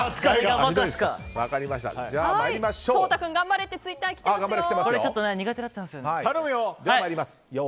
聡太君、頑張れってツイッターきてますよ！